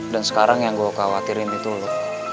dan sekarang yang gue khawatirin itu lo